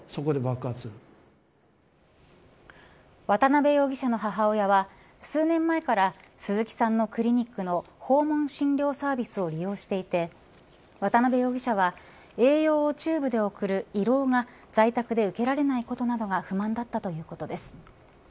渡辺容疑者の母親は数年前から鈴木さんのクリニックの訪問診療サービスを利用していて渡辺容疑者は栄養をチューブで送る胃ろうが、在宅で受けられないことなどが不満だったということです。